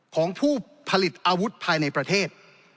ของผู้ผลิตอาวุธภายในประเทศ